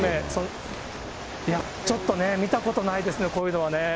ちょっとね、見たことないですね、こういうのはね。